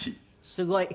すごい。